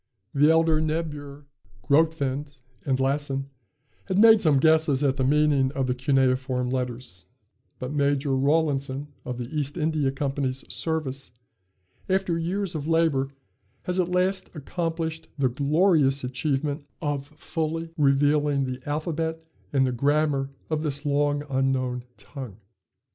The elder Niebuhr, Grotefend, and Lassen, had made some guesses at the meaning of the cuneiform letters; but Major Rawlinson of the East India Company's service, after years of labor, has at last accomplished the glorious achievement of fully revealing the alphabet and the grammar of this long unknown tongue.